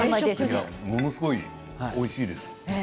ものすごくおいしいです。